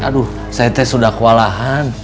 aduh saya sudah kewalahan